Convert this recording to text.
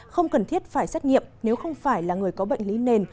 không cần thiết phải xét nghiệm nếu không phải là người có bệnh lý nền